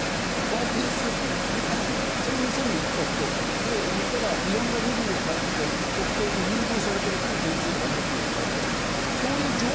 その店に行った人、行ったらいろんなレビューを書いていて、特定の優遇されている人の点数が重きを置かれている。